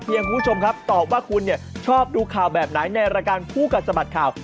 เพียงคุณผู้ชมครับตอบว่าคุณชอบดูข่าวแบบไหนในราการผู้กัดสมัดข่าว